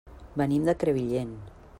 Venim de Crevillent.